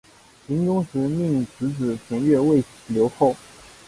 临终时命侄子田悦为留后。